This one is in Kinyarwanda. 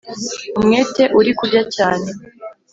umwete uri kurya cyane